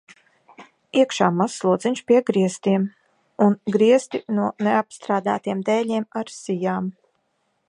Iekšā mazs lodziņš pie griestiem, un griesti no neapstrādātiem dēļiem ar sijām.